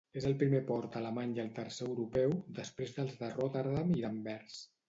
És el primer port alemany i el tercer europeu, després dels de Rotterdam i d'Anvers.